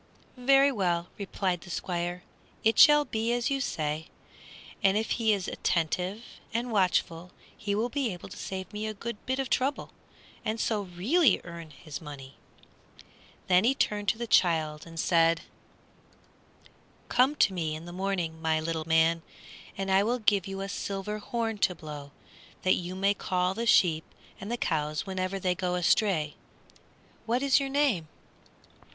"Very well," replied the Squire, "it shall be as you say, and if he is attentive and watchful he will be able to save me a good bit of trouble and so really earn his money." Then he turned to the child and said, "Come to me in the morning, my little man, and I will give you a silver horn to blow, that you may call the sheep and the cows whenever they go astray. What is your name?"